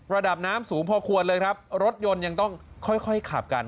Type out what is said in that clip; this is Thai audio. ระดับน้ำสูงพอควรเลยครับรถยนต์ยังต้องค่อยค่อยขับกัน